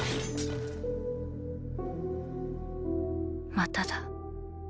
まただ。